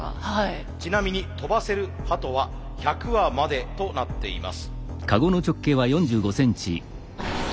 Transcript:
ちなみに飛ばせる鳩は１００羽までとなっています。